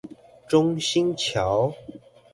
中興橋